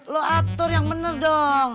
lo atur yang benar dong